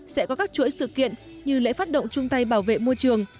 sẽ có các chuỗi sự kiện như lễ phát động chung tay bảo vệ môi trường